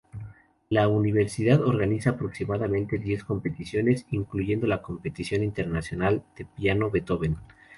La universidad organiza aproximadamente diez competiciones, incluyendo la Competición Internacional de Piano Beethoven.